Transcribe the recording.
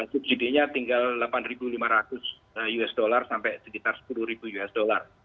subsidinya tinggal delapan lima ratus usd sampai sekitar sepuluh usd